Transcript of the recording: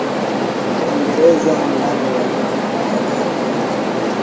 Waingereza ndani ya mji Baada ya wiki mbili